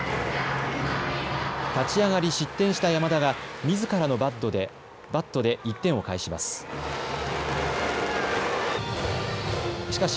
立ち上がり失点した山田がみずからのバットで１点を返します。